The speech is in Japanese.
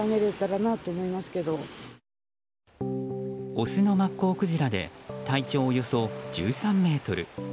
オスのマッコウクジラで体長およそ１３ｍ。